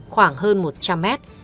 khoảng hơn một trăm linh mét